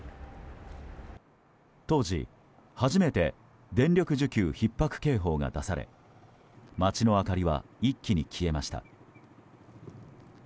当時、初めて電力需給ひっ迫警報が出され街の明かりは一気に消えました。